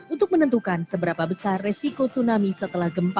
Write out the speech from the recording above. untuk menentukan seberapa besar resiko tsunami setelah gempa